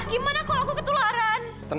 gimana kalau aku ketularan